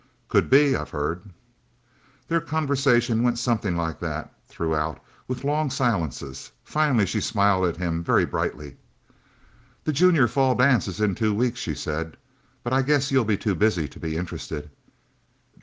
"Could be I've heard." Their conversation went something like that, throughout, with long silences. Finally she smiled at him, very brightly. "The Junior Fall dance is in two weeks," she said. "But I guess you'll be too busy to be interested?"